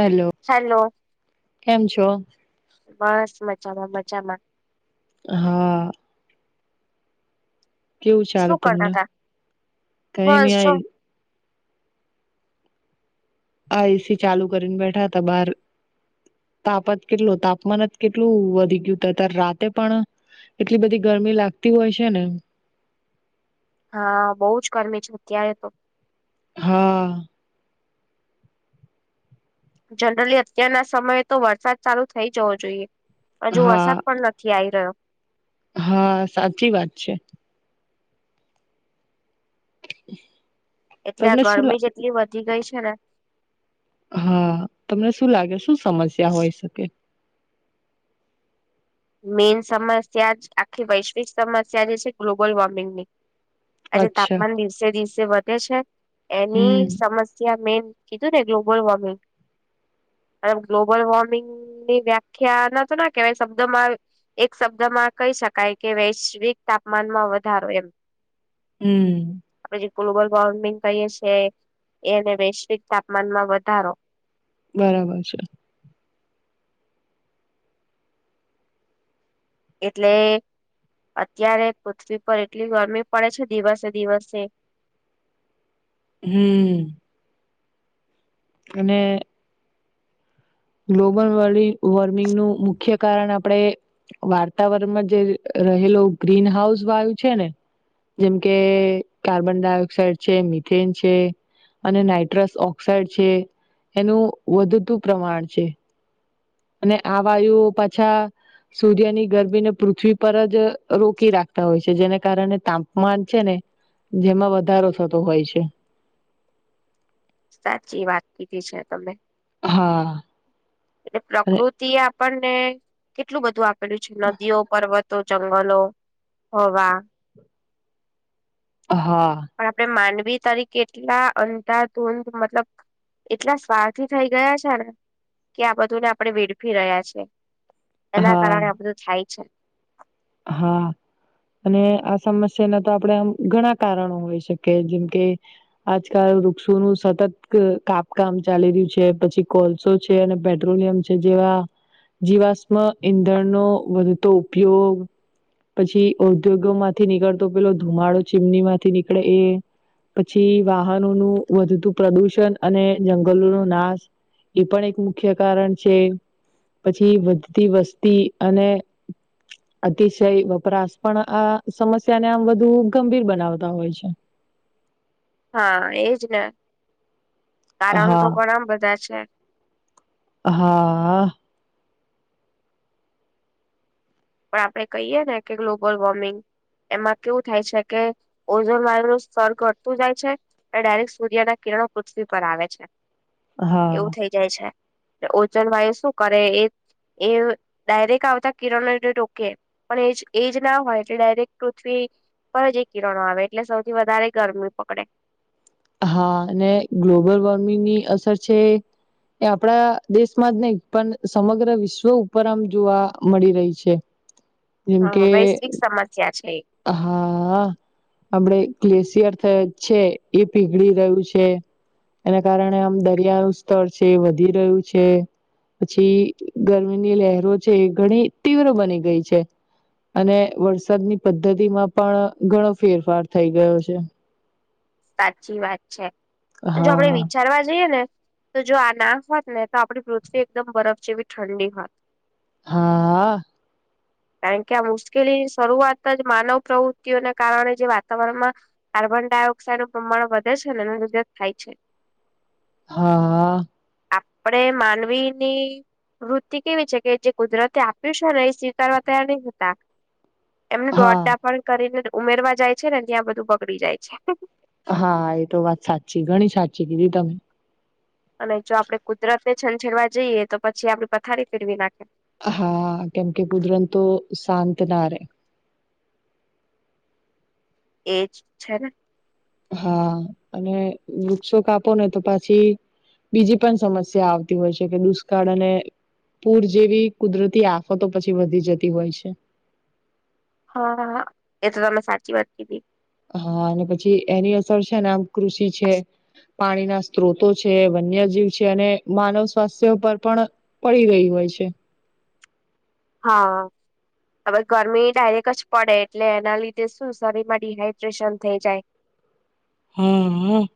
Hello hello કેમ છો? બસ મજામાં મજામાં હા કેવું ચાલે શું કરતા તમને તા બસ જો કઈમિઆ હા એસી ચાલુ કરીને બેઠા તા બાર તાપ જ કેટલું તાપમાન જ કેટલું વધી ગયું હત અત્યારે રાતે પણ એટલી બધી ગરમી લાગતી હોય છે ને હા બહુ જ કર્મી છે અત્યારે તો હા જનરલી અત્યારના સમયે તો વરસાદ ચાલુ થઇ જવો જોઈએ હજુ હા વરસાદ પણ નથી આઈ રહ્યો હા સાચી વાત છે [inaudible] એટલે આ તમને શું ગરમી જ એટલી વધી ગઈ છે ને લાગે હા તમને શું લાગે શું સમસ્યા હોય શકે મેઈન સમસ્યા જ આખી વૈશ્વિક સમસ્યા જે છે ગ્લોબલ વોર્મિંગની આજે અચ્છા તાપમાન દિવસે દિવસે વધે છે એની હમ સમસ્યા. મે એમ કીધું ને ગ્લોબલ વોર્મિંગ અને ગ્લોબલ વોર્મિંગની વ્યાખ્યા ના તો ના કેવાય તમારે એક શબ્દમાં કહી શકાય કે વૈશ્વિક તાપમાનમાં વધારો એમ હમ આપણે જે ગ્લોબલ વોર્મિંગ કહીએ છે એને વૈશ્વિક તાપમાનમાં વધારો બરાબર છે. એટલે અત્યારે પૃથ્વી પર એટલી ગરમી પડે છે. દિવસે દિવસે હમ્મ અને ગ્લોબલ વોર્મિંગનું મુખ્ય કારણ આપણે વાતાવરણમાં જે રહેલો ગ્રીન હાઉસ વાયું છે ને જેમ કે કાર્બન ડાયોક્સાઈડ છે મિથેન છે અને નાઈટ્રસ ઓક્સાાઈડ છે એનું વધતું પ્રમાણ છે અને આવાયું પાછા સૂર્યની ગરમીને પૃથ્વી પર જ રોકી રાખતા હોય છે જેને કારણે તાપમાન છે ને જેમાં વધારો થતો હોય છે સાચી વાત કીધી છે તમે હા એટલે અને પ્રકૃતિ એ આપણને કેટલું બધું આપેલું છે નદીઓ પર્વત તો જંગલો હવા હા પણ આપણે માનવી તારી કેટલા અંધાધૂંધ મતલબ એટલા સ્વાથી થઇ ગયા છે ને કે આ બધુંને આપણે વેડફી રહ્યા છે. એના હા કારણે આ બધું થાય છે. હા અને આ સમસ્યા ના તો આપણેે આમ ઘણા કારણો હોય, શકીએ જેમ કે આજકાલ. વૃક્ષો નું સતત કાપકામ ચાલી રહ્યું છે પછી કોલસો છે, અને પેટ્રોલિયમ છે, જે આ જીવાશમ ઈંધણનો, વધતો ઉપયોગ પછી ઔદ્યોગો માંથી નીકળતો પેલો ધુમાડો ચીમની, માંથી નીકળે એ પછી, વાહનોનું વધતું પ્રદુષણ અને જંગલોનો નાશ એ પણ એક મુખ્ય કારણ છે. પછી વધતી વસ્તી અને અતિશય, વપરાશ પણ આ સમસ્યાને આમ વધુ ગંભીર બનાવતા હોય છે. હા, એજ ને કારણ તો હા ઘણા બધા છે. હા પણ આપડણે કહીએ, ને કે ગ્લોબલ વોર્મિંગ. એમાં કેવું થાય છે, કે ઓઝોન વાળુંનું સ્તર ઘટતું જાય છે, અને ડાયરેક્ટ સૂર્યના હવ, પૃથ્વી પર આવે છે એવું હા થઇ જાય છે. ઓચન વાય શુ, કરે એ એ ડાયરેક્ટ આવતા કિરણ ટોકે પણ એ એજ ના હોય, એટલે ડાયરેક્ટ પૃથ્વી ફજ, એક કિરણો આવે એટલે સૌથી વધારે ગરમી પકડે હા, અને ગ્લોબલ વોર્મિંગ ની અસર છે. એ આપણા દેશમાં જ નહી, પણ સમગ્ર વિશ્વ ઉપર આમ જોવા મળી રહી છે. જેમકે હા, વૈશ્વિક સમસ્યા છે. હા આપડ ગ્લેશિયર છે, એ પીગળી રહ્યું છે. એના કારણે આમ દરિયાનું સ્તર છે વધી રહ્યું છે. પછી ગરમીની લહેરો છે, એ ઘણી તીવ્ર બની ગઈ છે. અને વરસાદની પદ્ધતિમાં પણ ઘણો ફેરફાર થઈ ગયો છે. સાચી વાત છે, પણ જો આપડે હા વિચારવા જઈએ ને તો જો આ ના હોત, ને તો આપડી પૃથ્વી એકદમ બરફ જેવી ઠંડી હોત. હા કારણ કે, આ મુશ્કેલીની શરૂઆત જ માનવ પ્રવૃત્તિઓને કારણે જે વાતાવરણમાં કાર્બન ડાયોક્સ વૃકસો નું પ્રમાણ વધે છે એને ને લિધેજ થાય છે હા આપડે માનવી ની વૃત્તિ કેવી છે કે જે કુદરતે આપ્યું છે ને એ સ્વીકારવા તૈયાર નહી થતા એમને હા દોડડા પણ કરીને ઉમેરવા જાય છે ને ત્યાં બધું બગડી જાય છે હા એ તો વાત સાચી ઘણી સાચી કીધી તમે અને જો આપડે કુદરત ને છંછેડવા જઈએ તો પછી આપડે પથારી ફેરવી નાખે હા, કેમ કે કુદરત તો શાંત ના રે એજ છેને. હા, અને વૃક્ષો કાપો ને તો પછી બીજી પણ સમસ્યા આવતી હોય છે. કે દુષ્કાળ અને પૂર જેવી કુદરતી આફતો પછી વધી જતી હોય, છે. હા, એ તો તમે સાચી વાત કીધી હા, અને પછી એની અસર છેને, આમ કૃષિ છે. પાણી ના સ્ત્રોતો છે વન્યજીવ છે, અને માનવ સ્વાસ્થ્ય પર પણ પડી ગહી હોય પ છે હા હવે, ગરમી ડાયરેક્ટ જ પડે એટલે એના લીધે શું શરીરમાં ડીહાઈડ્રેશન થઈ જાય હમ મ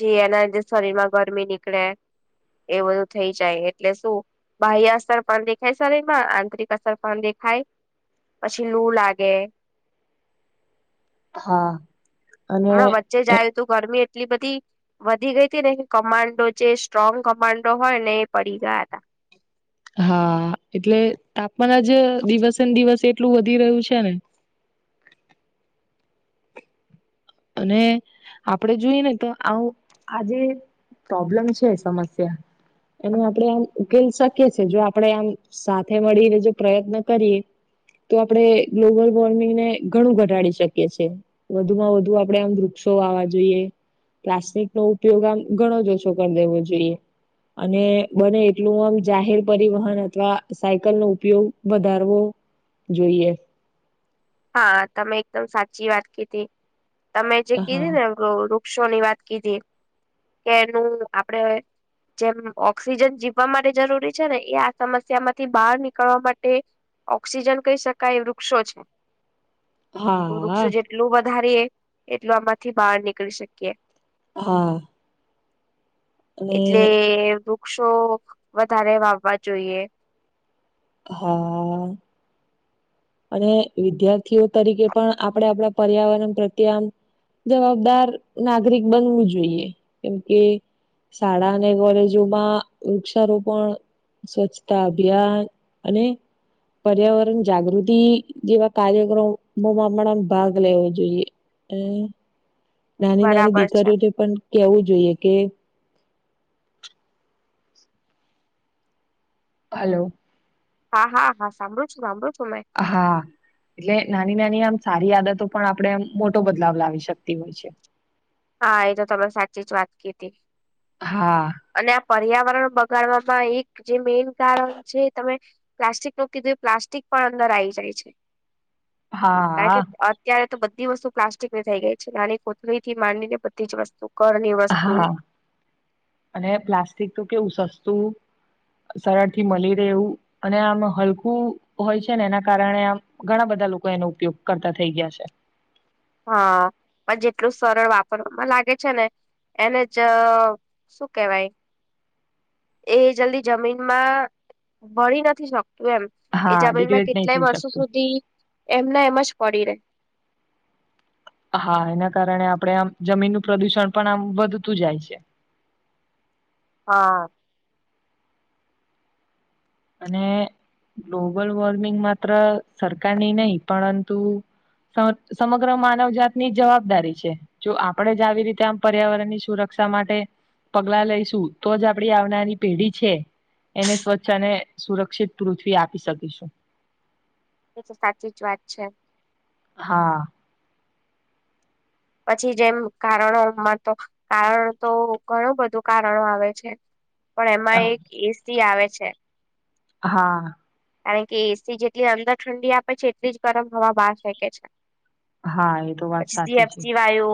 જી એના જે શરીર માં ગરમી નીકળે એ બધું થઈ જાય એટલે શું બાહ્ય સ્તર પણ દેખાય શરીર માં આંતરિક અસર પણ દેખાય પછી લુ લાગે [inaudible] હા અને અમે વચ્ચે જાયું તું ગરમી એટ એટલી બધી વધી ગઈ હતી ને કમાન્ડો જે સ્ટ્રોંગ કમાન્ડો હોય ને એ પડી ગયા તા [inaudible] હા એટલે તાપમાન જ દિવસેને દિવસ એ કેટલું વધી રહ્યું છે ને અને આપડે જોઈએ ને તો આવું આજે પ્રોબ્લેમ છે સમસ્યા એનો આપણેે આમ ઉકેલ શકીએ છીએ જો આપણેે આમ સાથે મળીને જો પ્રયત્ન કરીએ તો આપણે ગ્લોબલ વોર્મિંગને ઘણું ઘટાડી શકીએ છીએ વધુમાં વધુ આપણેે આમ વૃક્ષો વાવા જોઈએ પ્લાસ્ટિક નો ઉપયોગ આમ ઘણો જ ઓછો કરી દેવો જોઈએ અને બને એટલું આમ જાહેર પરિવહન અથવા સાયકલ નો ઉપયોગ વધારવો જોઈએ હા તમે એકદમ સાચી વાત કીધી તમે જે હા કીધી ને એમ રો વૃક્ષોની વાત કીધી કે એનું આપડે જેમ ઓક્સિજન જીવવા માટે જરૂરી છે ને એ આ સમસ્યા માંથી બહાર નીકળવા માટે ઓક્સિજન કહી શકાય વૃક્ષો છે. તો હા વૃક્ષ જેટલું વધારીએ એટલું આમાંથી બહાર નીકળી શકીએ. હા. અને એટલે વૃક્ષો વધારે વાવવા જોઈએ હા. અને વિદ્યાર્થીઓ તરીકે પણ આપણે આપણા પર્યાવરણ પ્રત્યે આમ જવાબદાર નાગરિક બનવું જોઈએ, કેમ કે શાળા અને કોલેજોમાં વૃક્ષારોપણ સ્વચ્છતા અભિયાન અને પર્યાવરણ જાગૃતિ જેવા કાર્યક્રમમાં પણ ભાગ લેવો જોઈએ. નાની નાની બરાબર છે દીકરીઓને પણ કેવું જોઈએ કે હલો હા, હા, હા, સાંભળું છું, સાંભળું છું. મેં હા, એટલે નાની નાની આમ સારી આદતો પણ આપણે મોટો બદલાવ લાવી શકતી હોય છે. હા, એ તો તમામે સાચી જ વાત ક હતી. હા અને આ પર્યાવરણ બગાડવામાં એક જે મેન કારણ છે, તમે પ્લાસ્ટિક ન કીધું એ પ્લાસ્ટિક પણ અંદર આવીઈ જાય છે. કારણ હા કે અત્યારે તો બધી વસ્તુ પ્લાસ્ટિકની થઈ ગઈ છે. નાની કોથળી થી માને બધી જ વસ્તુ ઘરની વસ્તુ હા અને પ્લાસ્ટિક તો કેવું સસ્તું [unintelligible] સરળથી મળી રહે એવું અને આમ હલકું હોય છે ને એના કારણે આમ ઘણા બધા લોકો એનો ઉપયોગ કરતા થઈ ગયા છે હા, પણ જેટલું સરળ વાપરવામાં લાગે છે ને એને જ શું કેવાય એ જલ્દી જમીનમાં ભળ નથી શકતો એમ હા એજબમાં ડિગ્રેડ નહી કેટલાય થઈ વર્ષો શકતું સુધી એમના એમાં પડી રે હા એના કારણે આપણેે આમ જમીનનું પ્રદુષણ પણ આમ વધતું જાય છે હા અને ગ્લોબલ વોર્મિંગ માત્ર સરકારની નહીં પરંતુ સમગ્ર માનવ જાતની જવાબદારી છે જો આપણેે જ આવી રીતે આમ પર્યાવરણની સુરક્ષા રક્ષા માટે પગલા લઈશું તો જ આપડી આવનારી પેઢી છે, એને સ્વચ્છ અને સુરક્ષિત પૃથ્વી આપી શકીશું. એ તો સાચી જ વાત છે. હા. પછી જેમ કારણો તો કારણ તો ઘણું બધું કારણો આવે છે પણ એમાં એક એસી આવે છે. હા કારણ કે એસી જેટલી અંદર ઠંડી આપે છે, એટલી જ ગરમ હવા બાર શકે છે. હા એ તો વાત પછી સાચી છે સીએફસી વાયુ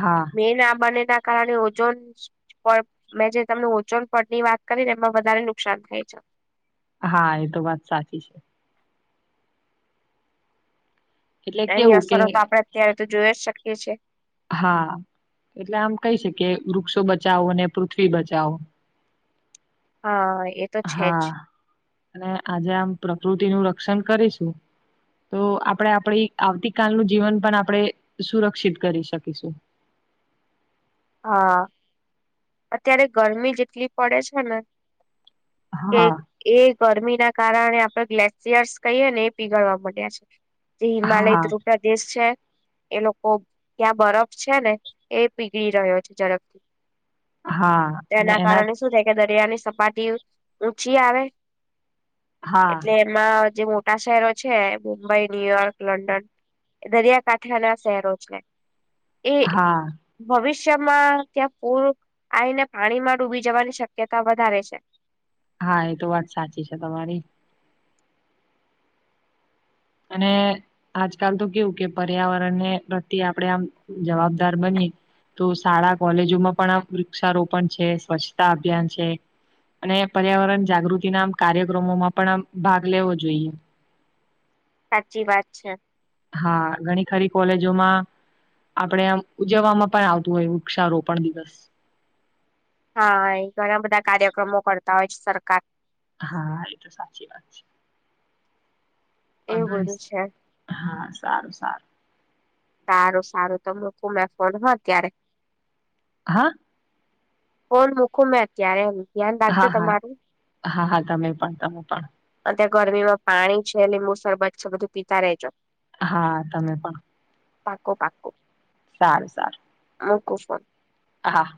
હા મે ના બને ત કારણે ઓજોન મેં જે તમને ઓજોન પડની વાત કરીને એમાં વધારે નુકસાન થાય છે. હા એ તો વાત સાચી છે એટલે એની કેવું કે અસરો તો આપડે અત્યારે તો જોઈ જ શકીએ છીએ હા એટલે આમ કઈ શ કે વૃક્ષો બચાવો ને પૃથ્વી બચાવો હા એ તો છે જ હા અને આજે આમ પ્રકૃતિ નું રક્ષણ કરીશું તો આપણે આપણી આવતી કલનું જીવન પણ આપણે સુરક્ષિત કરી શકીશું [unintelligible] હા અત્યારે ગરમી જેટલી પડે છે ને કે હા એ ગરમી ના કારણે આપડે ગ્લેશિયર્સ કહીએ ને એ પીગળવા મળડ્યા છે જે હિમાલય હા ધ્રુપ્રદેશ છે. એ લોકો ત્યાં બરફ છે, ને એ પીગળી રહ્યો છે, ઝડપથી હા અને એના કારણે શું થાય કે દરિયાની પટી ઊચી આવે હા એટલે એમાં જે મોટા શહેરો છે મુંબઈ ન્યુયોર્ક લંડન. દરિયાકાંઠે અને આ શહેરો જ હા, ભવિષ્યમા, ત્યાં પૂર આવીઈને પાણીમાં ડૂબી જવાની શક્યતા વધારે છે. હા, એ તો વાત સાચી છે. તમારી અને આજકાલ, તો કેવુ કે પર્યાવરણને પ્રત્યે આપણેે આમ જવાબદાર બની તો શાળા કોલેજોમાં પણ આ વૃક્ષારોપણ છે, સ્વચ્છતા અભિયાન છે. અને પર્યાવરણ જાગૃતિ ના કાર્યક્રમોમાં પણ આ ભાગ લેવો જોઈએ. સાચી વાત છે. હા, ઘણી ખરી કોલેજોમા આપણેે આ ઉજવવામાં પણ આવતું હોય વૃક્ષારોપણ દિવસ હા એ ઘણા બધા કાર્યક્રમો કરતા હોય છે સરકાર હા એ તો સાચી વાત છે. બ એવું બધું છે હા સારું, સારું સારું સારું તમે મૂકું ફોન હા અત્યારે. હા. કોણ મુૂકું મેં અત્યારે ધ્યાન રાખજો હા હા તમારું હા હા, તમે પણ તમે પણ ત ગરમીમાં પાણી છે લીંબુ શરબત છે બધું પીતા રજો હા તમે પણ પાકો પાકો સારું, સારું હા, મુકો ફોન હા